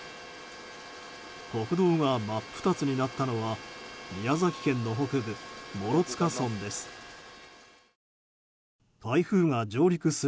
国道が真っ二つになったのは宮崎県の北部、諸塚村です。